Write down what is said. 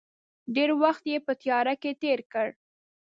ډېر وخت یې په تیراه کې تېر کړ.